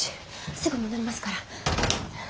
すぐ戻りますから。